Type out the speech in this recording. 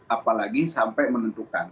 apalagi sampai menentukan